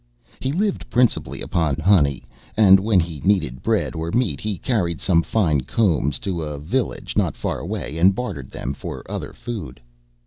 He lived principally upon honey; and when he needed bread or meat, he carried some fine combs to a village not far away and bartered them for other food.